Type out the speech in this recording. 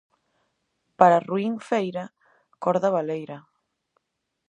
Para ruín feira, corda baleira.